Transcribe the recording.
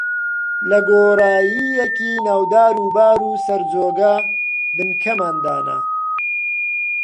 لە گۆڕایییەکی ناو دار و بار و سەر جۆگە، بنکەمان دانا